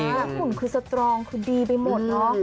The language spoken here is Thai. หุ่นคือสตรองคือดีไปหมดเนอะ